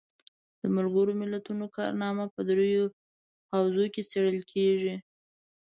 د ملګرو ملتونو کارنامه په دریو حوزو کې څیړل کیږي.